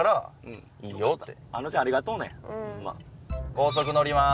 高速のります。